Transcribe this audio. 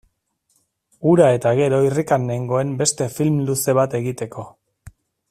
Hura eta gero irrikan nengoen beste film luze bat egiteko.